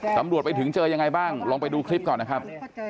ตำรวจไปถึงเจอยังไงบ้างลองไปดูคลิปก่อนนะครับ